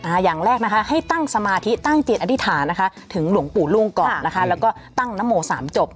อย่างแรกนะคะให้ตั้งสมาธิตั้งจิตอธิษฐานนะคะถึงหลวงปู่รุ่งก่อนนะคะแล้วก็ตั้งนโมสามจบ